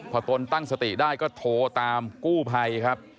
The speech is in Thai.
พอตนตั้งสติได้ก็โทรตามกู้ภัยครับ